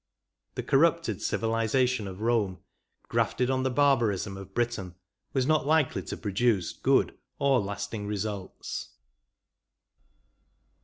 The corrupted civilisation of Bome, grafted on the barbarism of Britain, was not likely to produce good or lasting results.